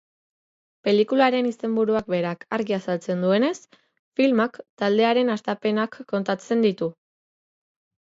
Pelikularen izenburuak berak argi azaltzen duenez, filmak taldearen hastapenak kontatzen ditu.